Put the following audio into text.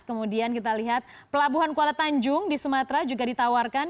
kemudian kita lihat pelabuhan kuala tanjung di sumatera juga ditawarkan